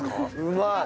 うまい！